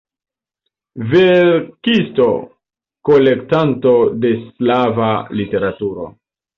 Verkisto, kolektanto de slava literaturo.